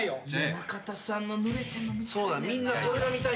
中田さんのぬれてるの見たい。